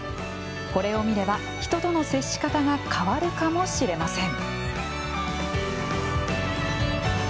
これを見れば、人との接し方が変わるかもしれません。